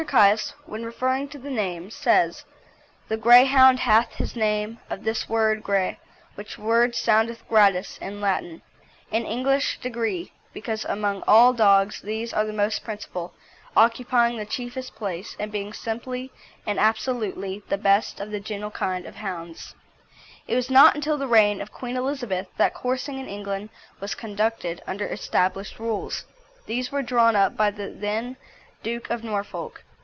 Caius, when referring to the name, says "The Greyhound hath his name of this word gre; which word soundeth gradus in Latin, in Englishe degree, because among all dogges these are the most principall, occupying the chiefest place, and being simply and absolutely the best of the gentle kinde of Houndes." It was not until the reign of Queen Elizabeth that coursing in England was conducted under established rules. These were drawn up by the then Duke of Norfolk.